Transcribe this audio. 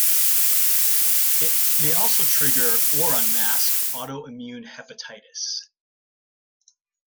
It may also trigger or unmask autoimmune hepatitis.